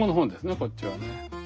こっちはね。